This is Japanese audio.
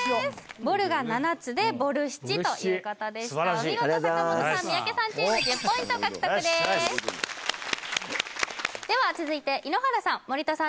「ボル」が７つで「ボルシチ」ということでしたお見事坂本さん三宅さんチーム１０ポイント獲得ですでは続いて井ノ原さん森田さん